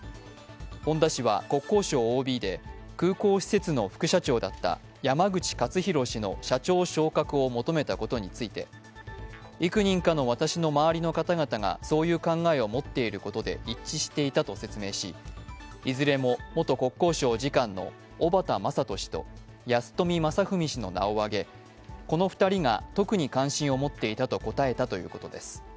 本田氏は国交省ＯＢで空港施設の副社長だった山口勝弘氏の社長昇格を求めたことについて幾人かの私の周りの方々がそういう考えを持っていることで一致していたと説明し、いずれも元国交省次官の小幡政人氏と安富正文氏の名前を挙げこの２人が特に関心を持っていたと答えたということです。